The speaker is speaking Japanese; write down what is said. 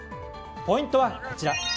ポイントはこちら。